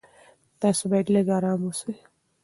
تاسو باید لږ ارام اوسئ.